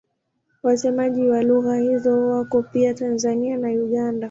Wasemaji wa lugha hizo wako pia Tanzania na Uganda.